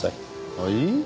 はい？